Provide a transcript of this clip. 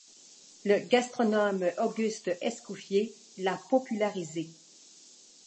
Le gastronome Auguste Escoffier l'a popularisée.